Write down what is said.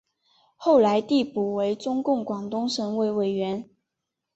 后来递补为中共广东省委委员。